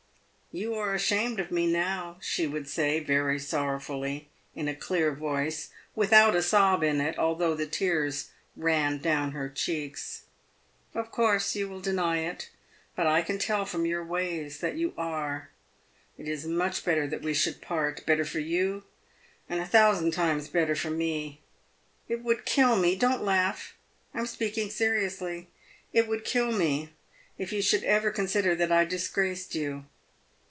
" Tou are ashamed of me now," she would say, very sorrowfully, in a PAYED WITH GOLD. 391 clear voice, without a sob in it, although the tears ran down her cheeks. " Of course you will deny it, but I can tell from your ways that you are. It is much better that we should part ; better for you, and a thousand times better for me. It would kill me — don't laugh, I am speaking seriously — it would kill me if you should ever consider that I disgraced you.